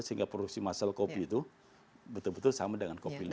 sehingga produksi muscle kopi itu betul betul sama dengan kopi luwak plus itu